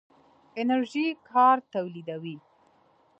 انرژي کار تولیدوي.